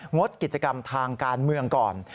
งดกิจกรรมทางการเมืองก่อน